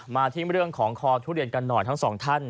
มาที่เรื่องของคอทุเรียนกันหน่อยทั้งสองท่าน